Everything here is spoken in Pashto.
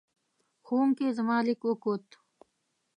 ښوونکې زما لیک وکوت.